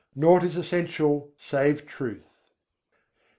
naught is essential save Truth."